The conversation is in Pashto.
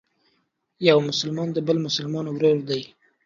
یو مسلمان د بل مسلمان ورور دی.